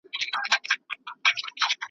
هر انسان به خپل عیبونه سمولای `